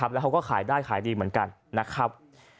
แล้วเขาก็ขายได้ขายดีเหมือนกันนะครับ